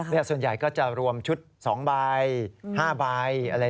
คุณคะผมส่วนใหญ่ก็จะรวมชุด๒ใบ๕ใบ